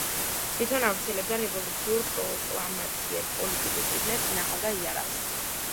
თვითონ ავრცელებდა რევოლუციურ პროკლამაციებს, პოლიტიკურ წიგნებს, ინახავდა იარაღს.